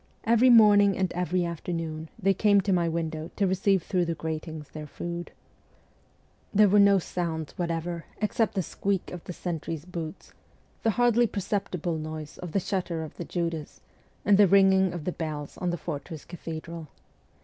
Every morning and every afternoon they came to my window to receive through the gratings their food. 152 MEMOIRS OF A REVOLUTIONIST There were no sounds whatever except the squeak of the sentry's boots, the hardly perceptible noise of the shutter of the Judas, and the ringing of the bells on the fortress cathedral.